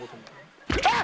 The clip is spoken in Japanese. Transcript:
あっ！